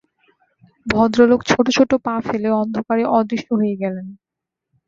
ভদ্রলোক ছোট-ছোট পা ফেলে অন্ধকারে অদৃশ্য হয়ে গেলেন।